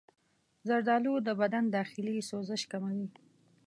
زردآلو د بدن داخلي سوزش کموي.